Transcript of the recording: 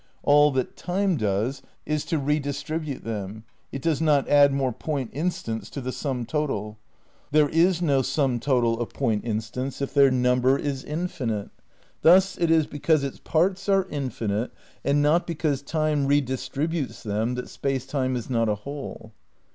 All that Time does is to redistribute them ; it does not add more point instants to the sum total. There is no sum total of point instants if their number is infinite. Thus it is because its parts are infinite, and not because Time redistributes them that Space Time is not a whole.